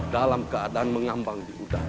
dalam keadaan mengambang di udara